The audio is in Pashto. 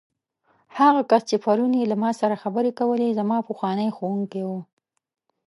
هغه کس چې پرون یې له ما سره خبرې کولې، زما پخوانی ښوونکی و.